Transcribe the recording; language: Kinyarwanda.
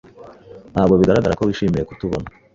Ntabwo bigaragara ko wishimiye kutubona.